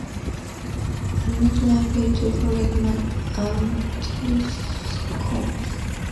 I'm not likely to forget my auntie's scones.